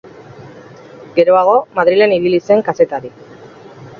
Geroago, Madrilen ibili zen kazetari.